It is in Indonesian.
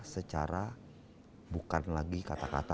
secara bukan lagi kata kata